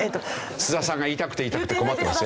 須田さんが言いたくて言いたくて困ってますよ。